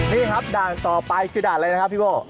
นี่ครับต่อไปคิวด่าอะไรนะครับพี่โกะ